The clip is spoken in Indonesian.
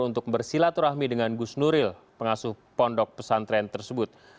untuk bersilaturahmi dengan gus nuril pengasuh pondok pesantren tersebut